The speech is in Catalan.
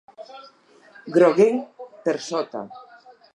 Groguenc per sota.